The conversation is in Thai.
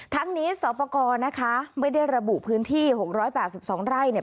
ทั้งนี้สอปกรณ์นะคะไม่ได้ระบุพื้นที่๖๐๐ป่า๑๒ไร่